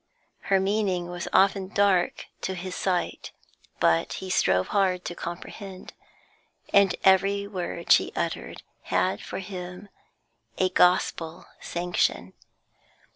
Her meaning was often dark to his sight, but he strove hard to comprehend, and every word she uttered had for him a gospel sanction.